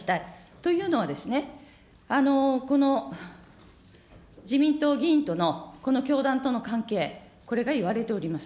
というのはですね、この自民党議員とのこの教団との関係、これがいわれております。